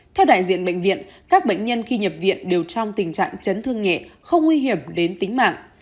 theo đại diện bệnh viện các bệnh nhân khi nhập viện đều trong tình trạng chấn thương nhẹ không nguy hiểm đến tính mạng